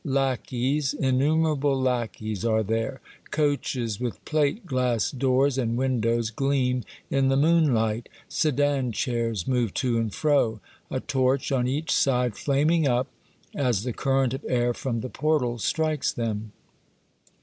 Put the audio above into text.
Lackeys, innumerable lackeys are there, coaches 254 Monday Tales, with plate glass doors and windows gleam in the moonlight, sedan chairs move to and fro, a torch on each side flaming up as the current of air from the portal strikes them.